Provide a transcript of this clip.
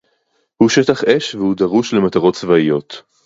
הוא שטח-אש והוא דרוש למטרות צבאיות